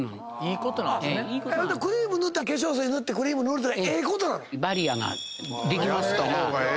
クリーム塗ったら化粧水塗ってクリーム塗るってええことなの⁉できますから。